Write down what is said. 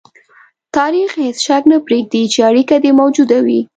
تاریخ هېڅ شک نه پرېږدي چې اړیکه دې موجوده وي.